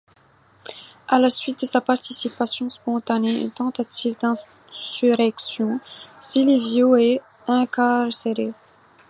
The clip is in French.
À la suite de sa participation spontanée à une tentative d'insurrection, Silvio est incarcéré.